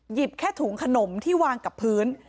แค่ถุงขนมที่วางกับพื้น